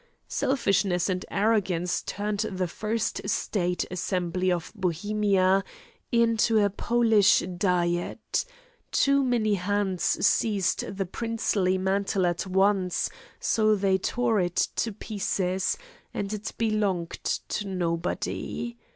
Selfishness and arrogance turned the first state assembly of Bohemia into a Polish diet; too many hands seized the princely mantle at once, so they tore it to pieces, and it belonged to nobody.